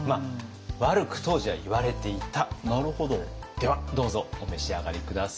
ではどうぞお召し上がり下さい。